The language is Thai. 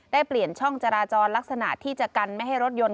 เปลี่ยนช่องจราจรลักษณะที่จะกันไม่ให้รถยนต์